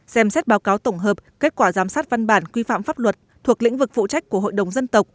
xem xét báo cáo tổng hợp kết quả giám sát văn bản quy phạm pháp luật thuộc lĩnh vực phụ trách của hội đồng dân tộc